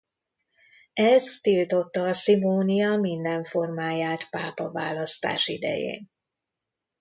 Ez tiltotta a szimónia minden formáját pápaválasztás idején.